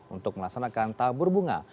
untuk melaksanakan tabur bunga